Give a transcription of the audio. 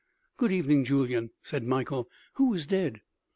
"Good evening, Julyan," said Mikael. "Who is dead?"